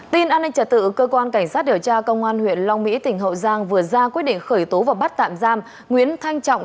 tin an ninh trả tự cơ quan cảnh sát điều tra công an huyện long mỹ tỉnh hậu giang vừa ra quyết định khởi tố và bắt tạm giam nguyễn thanh trọng